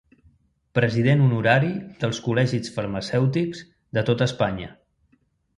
President honorari dels col·legis farmacèutics de tot Espanya.